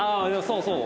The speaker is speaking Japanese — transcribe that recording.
そうそう。